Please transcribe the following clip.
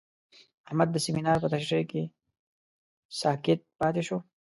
احمد د سمینار په تشریح کې ساکت پاتې شو.